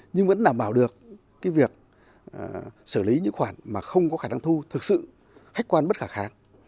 nhưng vẫn đảm bảo được cái việc xử lý những khoản mà không có khả năng thu thực sự khách quan bất khả kháng